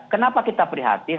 kenapa kita prihatin